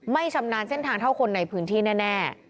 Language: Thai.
ชำนาญเส้นทางเท่าคนในพื้นที่แน่